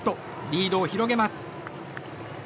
リードを広げます。